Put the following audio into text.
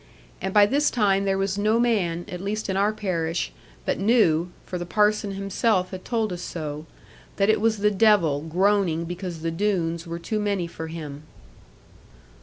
And by this time there was no man, at least in our parish, but knew for the Parson himself had told us so that it was the devil groaning because the Doones were too many for him.